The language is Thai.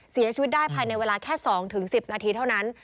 เสียชีวิตได้ภายในเวลาแค่๒๑๐นาทีเท่านั้น